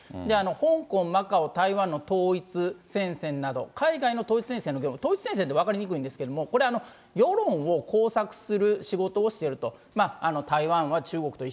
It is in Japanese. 香港、マカオ、台湾の統一戦線など、海外の統一戦線の業務、統一戦線って分かりにくいんですけれども、これ、世論をこうさくする仕事をしていると。